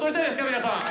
皆さん！」